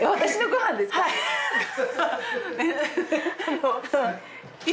はい。